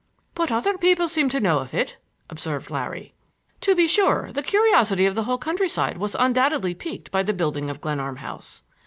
"But other people seem to know of it," observed Larry. "To be sure; the curiosity of the whole countryside was undoubtedly piqued by the building of Glenarm House.